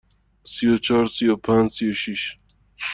سی و چهار، سی و پنج، سی و شش.